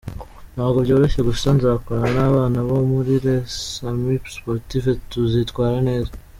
Ntabwo byoroshye gusa nzakorana n’abana bo muri Leas Amis Sportif tuzitwara neza.